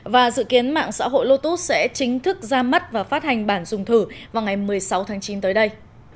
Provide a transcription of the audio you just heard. và dự kiến mạng xã hội lotus sẽ chính thức ra mắt và phát hành bản dùng thử vào ngày một mươi sáu tháng chín tới đây